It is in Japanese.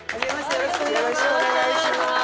よろしくお願いします！